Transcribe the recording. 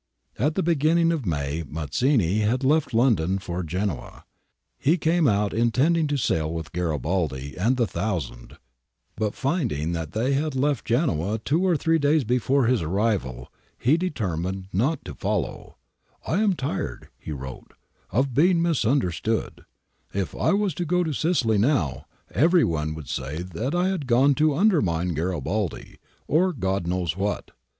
At the beginning of May, Mazzini had left London for Genoa. He came out intending to sail with Garibaldi and the Thousand, but finding that they had left Genoa *iia*Mini, xi. p. xcvii. *Ibid., xi. p. ciii. Letter of June 19, i860. MAZZINI HIDDEN IN GENOA 41 two or three days before his arrival, he determined not to follow.^ ' I am tired,' he wrote, * of being misunder stood. If I was to go to Sicily now, every one would say that I had gone to undermine Garibaldi, or God knows what.